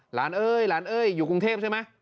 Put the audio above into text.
เอ้ยหลานเอ้ยอยู่กรุงเทพใช่ไหม